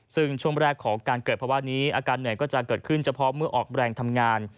ซึ่งช่วงแรกของการเกิดภาวะนี้อาการเหนื่อยก็จะเกิดขึ้นเฉพาะเมื่อออกแรงทำงาน